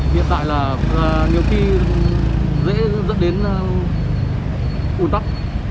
hiện tại là nhiều khi dễ dẫn đến ủn tắc